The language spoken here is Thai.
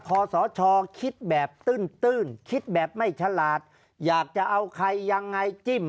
คอสชคิดแบบตื้นคิดแบบไม่ฉลาดอยากจะเอาใครยังไงจิ้ม